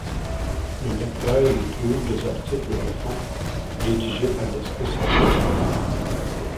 Le lecteur y trouve des articles de fond, rédigés par des spécialistes reconnus.